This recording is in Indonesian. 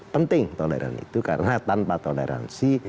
penting toleran itu karena tanpa toleransi